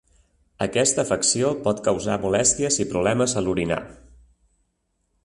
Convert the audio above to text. Aquesta afecció pot causar molèsties i problemes a l'orinar.